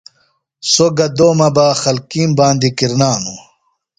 سوۡ گہ دومہ بہ خلکِیم باندیۡ کِرنانوۡ۔